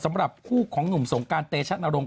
สำหรับคู่ของหนุ่มสงการเตชะนรงค